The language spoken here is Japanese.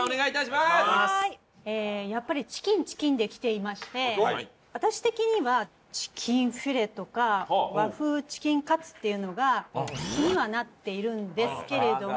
やっぱりチキンチキンできていまして私的にはチキンフィレとか和風チキンカツっていうのが気にはなっているんですけれども。